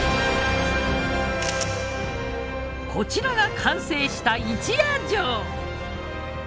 こちらが完成した一夜城。